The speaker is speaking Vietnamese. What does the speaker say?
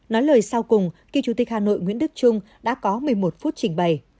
nói lời sau cùng kỳ chủ tịch hà nội nguyễn đức trung đã có một mươi một phút trình bày